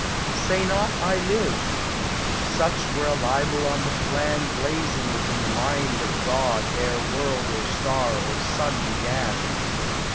Say not, "I live!" Such were a libel on the Plan Blazing within the mind of God Ere world or star or sun began.